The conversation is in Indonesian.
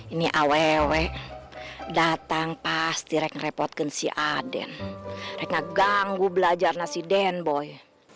ini awewe datang pasti rek repot ke si aden reka ganggu belajar nasi den boy